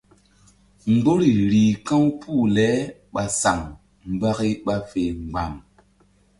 Mgbori rih ka̧w puh le ɓa saŋ mbaki ɓa fe mgba̧m.